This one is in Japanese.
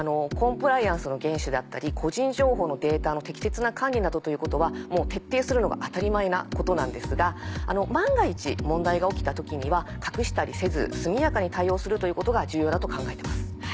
コンプライアンスの厳守だったり個人情報のデータの適切な管理などということはもう徹底するのが当たり前なことなんですが万が一問題が起きた時には隠したりせず速やかに対応するということが重要だと考えてます。